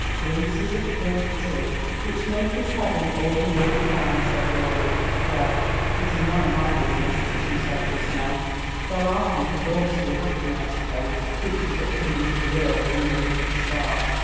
"Glimpses of purgatory, which make his heaven all the more divine," said Rorie. "Well, it is none of my business, as you said just now. There are people born to be happy, I suppose; creatures that come into the world under a lucky star."